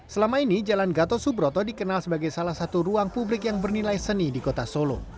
selama ini jalan gatot subroto dikenal sebagai salah satu ruang publik yang bernilai seni di kota solo